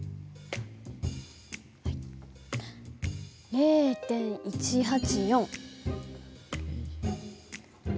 ０．１８４。